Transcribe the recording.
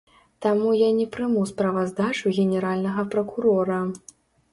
Таму я не прыму справаздачу генеральнага пракурора.